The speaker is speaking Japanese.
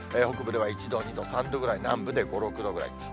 北部では１度、２度、３度ぐらい、南部で５、６度くらい。